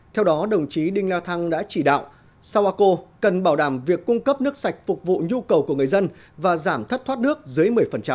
theo đó đồng chí đinh la thăng đã chỉ đạo sapa cần bảo đảm việc cung cấp nước sạch phục vụ nhu cầu của người dân và giảm thất thoát nước dưới một mươi